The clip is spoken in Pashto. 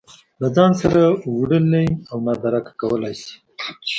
له ځان سره وړلی او نادرکه کولی شي